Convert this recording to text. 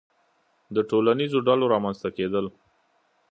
• د ټولنیزو ډلو رامنځته کېدل.